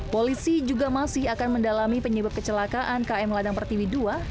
polisi juga masih akan mendalami penyebab kecelakaan km ladang pertiwi ii